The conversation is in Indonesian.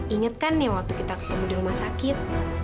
inget kan nih waktu kita ketemu di rumah sakit